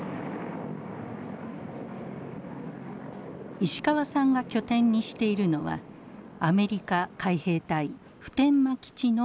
石川さんが拠点にしているのはアメリカ海兵隊普天間基地の程近く。